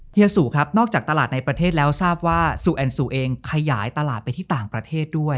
เฮียสุครับนอกจากตลาดในประเทศแล้วทราบว่าซูแอนซูเองขยายตลาดไปที่ต่างประเทศด้วย